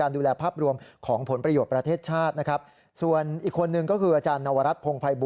เดี๋ยวเราพักก่อนนะ